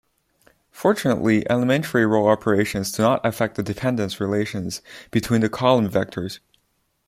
Fortunately, elementary row operations do not affect the dependence relations between the column vectors.